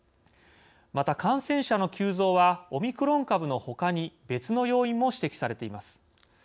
また感染者の急増はオミクロン株のほかに別の要因も指摘されています。